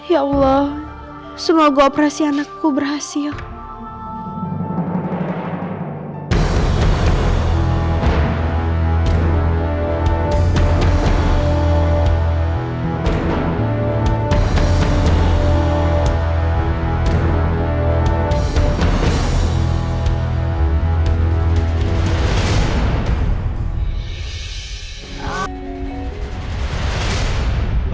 ya allah semoga operasi anakku berhasil